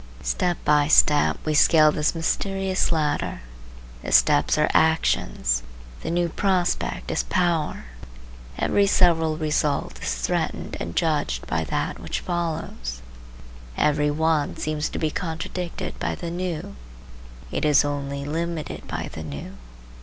Step by step we scale this mysterious ladder: the steps are actions; the new prospect is power. Every several result is threatened and judged by that which follows. Every one seems to be contradicted by the new; it is only limited by the new.